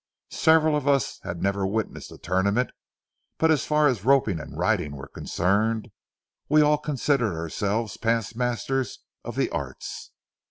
Several of us had never witnessed a tournament; but as far as roping and riding were concerned, we all considered ourselves past masters of the arts.